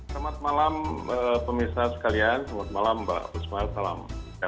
selamat malam pemirsa sekalian selamat malam mbak puspa salam